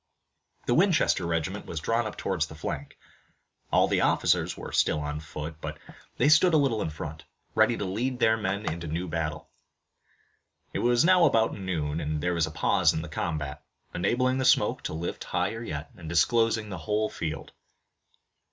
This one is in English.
The Winchester regiment was drawn up towards the flank. All the officers were still on foot, but they stood a little in front, ready to lead their men into the new battle. It was now about noon, and there was a pause in the combat, enabling the smoke to lift yet higher, and disclosing the whole field.